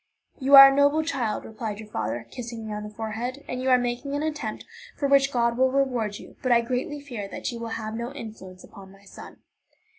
"You are a noble child," replied your father, kissing me on the forehead, "and you are making an attempt for which God will reward you; but I greatly fear that you will have no influence upon my son."